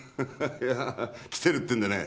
いや来てるってんでね